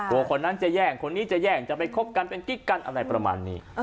คนนั้นจะแย่งคนนี้จะแย่งจะไปคบกันเป็นกิ๊กกันอะไรประมาณนี้